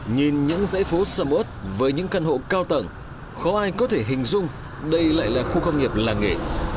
nhìn những dãy phố sầm ớt với những căn hộ cao tầng khó ai có thể hình dung đây lại là khu công nghiệp làng nghề